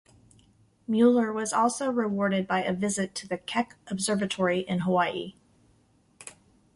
Mueller was also rewarded by a visit to the Keck Observatory in Hawaii.